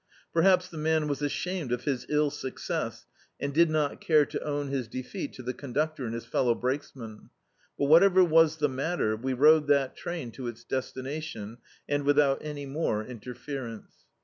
Perhaps the man was ashamed of his ill success, and did not care to own his defeat to the ccmductor and his fel low brakesmen; but whatever was the matter, we rode that train to its destinatim and without any more interference.